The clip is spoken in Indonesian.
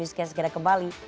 sekian sekian kembali